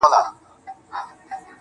پښتنه ده آخير.